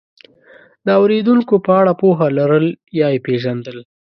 د اورېدونکو په اړه پوهه لرل یا یې پېژندل،